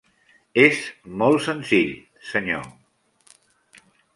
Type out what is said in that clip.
És molt senzill, senyor.